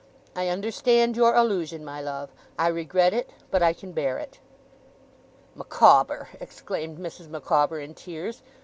I understand your allusion, my love. I regret it, but I can bear it.' 'Micawber!' exclaimed Mrs. Micawber, in tears.